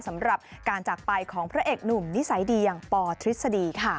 สำหรับการจากไปของพระเอกหนุ่มนิสัยดีอย่างปทฤษฎีค่ะ